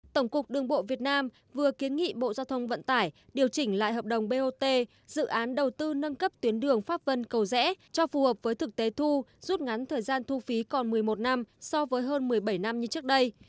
tổng cục đường bộ việt nam vừa kiến nghị bộ giao thông vận tải điều chỉnh lại hợp đồng bot dự án đầu tư nâng cấp tuyến đường pháp vân cầu rẽ cho phù hợp với thực tế thu rút ngắn thời gian thu phí còn một mươi một năm so với hơn một mươi bảy năm như trước đây